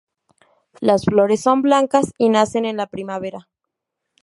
Las flores son blancas y nacen en la primavera.